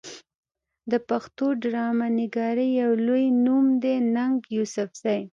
د پښتو ډرامه نګارۍ يو لوئې نوم دی ننګ يوسفزۍ